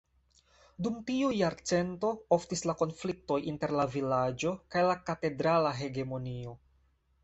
Dum tiuj jarcento oftis la konfliktoj inter la vilaĝo kaj la katedrala hegemonio.